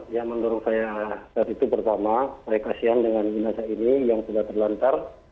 yang mendorong saya itu pertama saya kasihan dengan jenazah ini yang sudah terlantar